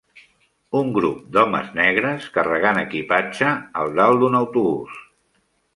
Un grup d'homes negres carregant equipatge al dalt d'un autobús